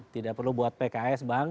tidak perlu buat pks bang